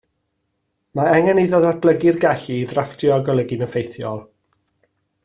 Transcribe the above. Mae angen iddo ddatblygu'r gallu i ddrafftio a golygu'n effeithiol